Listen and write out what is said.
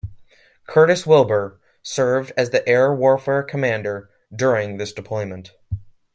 "Curtis Wilbur" served as the Air Warfare Commander during this deployment.